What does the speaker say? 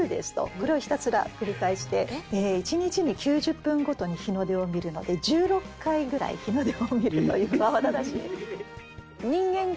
これをひたすら繰り返して１日に９０分ごとに日の出を見るので１６回ぐらい日の出を見るという慌ただしい。